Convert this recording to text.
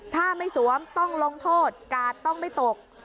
ถ้าไม่สวมต้องลงโทษกาดต้องไม่ตก